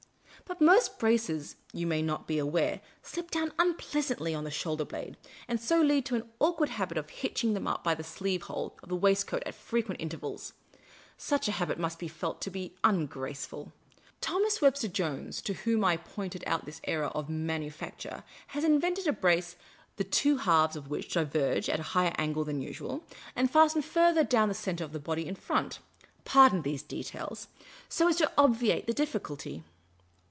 But most braces, you may not be aware, slip down unpleasantly on the shoulder blade, and so lead to an awkward habit of hitching them up by the sleeve hole of the waistcoat at frequent inter vals. Such a habit must be felt to be ungraceful. Thomas Webster Jones, to whom I pointed out this error of manu facture, has invented a brace the two halves of which diverge at a higher angle than usual, and fasten further towards the centre of the body in front — pardon these details — so as to obviate that difficulty.